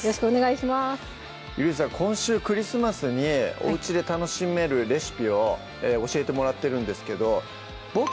今週クリスマスにおうちで楽しめるレシピを教えてもらってるんですけどボク